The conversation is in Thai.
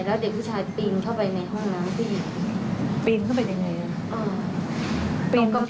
แล้วเด็กผู้ชายปีนเข้าไปในห้องน้ำพี่ปีนเข้าไปยังไง